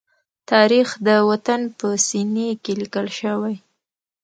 تاریخ د وطن په سینې کې لیکل شوی.